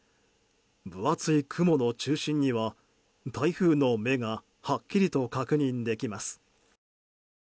分厚い雲の中心には台風の目がはっきりと確認できます。